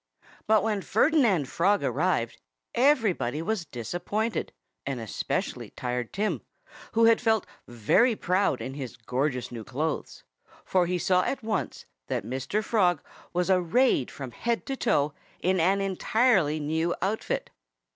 But when Ferdinand Frog arrived, everybody was disappointed, and especially Tired Tim, who had felt very proud in his gorgeous new clothes. For he saw at once that Mr. Frog was arrayed from head to foot in an entirely new outfit.